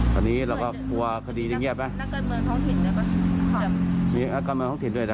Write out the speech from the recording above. ตอนนี้เราก็กลัวคดีจะเงียบไหมนักการเมืองท้องถิ่นด้วยป่ะมีนักการเมืองท้องถิ่นด้วยนะ